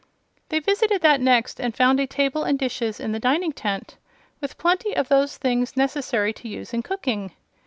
They visited that next, and found a table and dishes in the dining tent, with plenty of those things necessary to use in cooking.